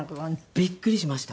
びっくりしました。